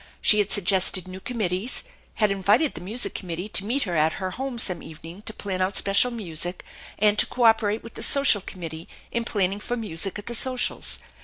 She had suggested new committees, had invited the music committee to meet her at her home some evening to plan out special music, and to cooperate with the social committee in planning for music at the socials.